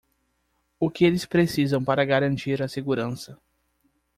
O que eles precisam para garantir a segurança?